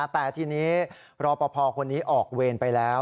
แต่ทีนี้รอปภคนนี้ออกเวรไปแล้ว